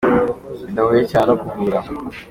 bidahuye cyane no kuvura.